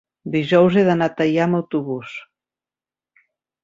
dijous he d'anar a Teià amb autobús.